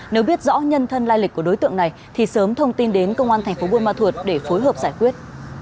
nếu biết rõ nhân thân lai lịch của đối tượng này thì sớm thông tin đến công an thành phố buôn ma thuột để phối hợp giải quyết